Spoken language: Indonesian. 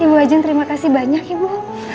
ibu ajeng terima kasih banyak ibu